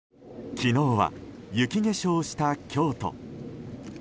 昨日は雪化粧した京都。